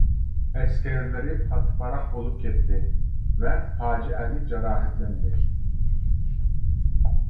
ئەسكەرلىرى پاتىپاراق بولۇپ كەتتى ۋە پاجىئەلىك جاراھەتلەندى.